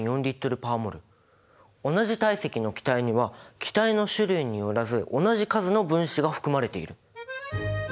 同じ体積の気体には気体の種類によらず同じ数の分子が含まれている！